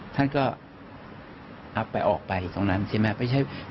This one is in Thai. ท่านก็รับไปออกไปตรงนั้นใช่ไหม